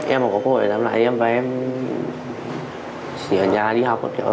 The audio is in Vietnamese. em có cơ hội làm lại em và em chỉ ở nhà đi học thôi